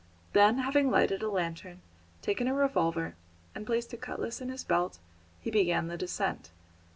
Then, having lighted a lantern, taken a revolver, and placed a cutlass in his belt, he began the descent.